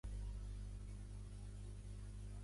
Raquel és predicadora